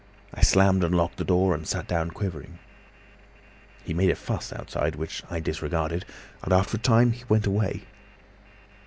I slammed and locked the door and sat down quivering. "He made a fuss outside, which I disregarded, and after a time he went away.